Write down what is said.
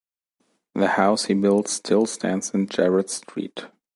The house he built still stands in Jarrad Street.